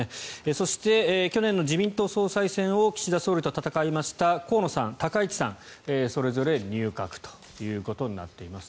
そして、去年の自民党総裁選を岸田総理と戦いました河野さん、高市さんそれぞれ入閣ということになっています。